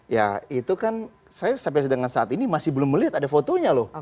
ya itu kan saya sampai dengan saat ini masih belum melihat ada fotonya loh